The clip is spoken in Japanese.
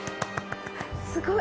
すごい！